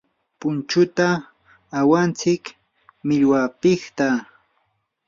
punchuta awantsik millwapiqta.